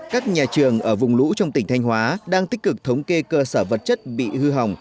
các nhà trường ở vùng lũ trong tỉnh thanh hóa đang tích cực thống kê cơ sở vật chất bị hư hỏng